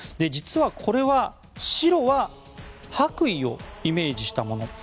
実はこれは白は白衣をイメージしたもの。